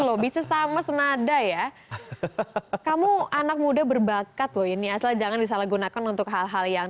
loh bisa sama senada ya kamu anak muda berbakat loh ini asal jangan disalahgunakan untuk hal hal yang